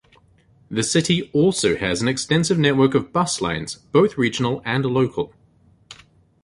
The city also has an extensive network of buslines, both regional and local.